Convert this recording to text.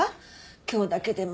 今日だけでも。